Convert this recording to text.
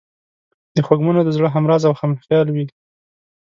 د خوږمنو د زړه همراز او همخیال وي.